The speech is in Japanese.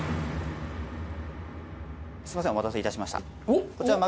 すいませんお待たせ致しました。